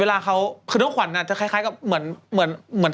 เวลาเขาคือน้องขวัญอ่ะจะคล้ายกับเหมือนทำต่างกว่าเดิม